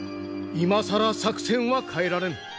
今更作戦は変えられぬ。